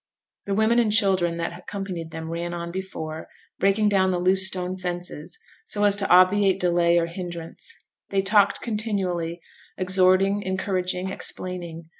The women and children that accompanied them ran on before, breaking down the loose stone fences, so as to obviate delay or hindrance; they talked continually, exhorting, encouraging, explaining.